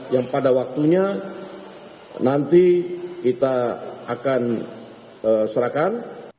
yang pada waktunya nanti kita akan serahkan